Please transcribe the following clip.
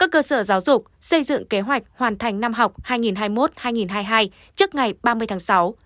cơ sở giáo dục xây dựng kế hoạch hoàn thành năm học hai nghìn hai mươi một hai nghìn hai mươi hai trước ngày ba mươi tháng sáu